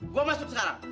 gua masuk sekarang